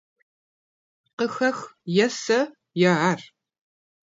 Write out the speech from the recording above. Къыхэх: е сэ е ар!